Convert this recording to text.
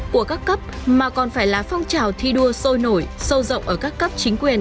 của các cấp mà còn phải là phong trào thi đua sôi nổi sâu rộng ở các cấp chính quyền